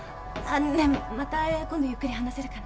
ねぇまた今度ゆっくり話せるかな？